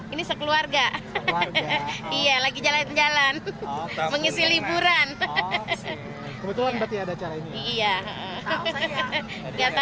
ini sekeluarga iya lagi jalan jalan mengisi liburan kebetulan berarti ada cara ini iya biasa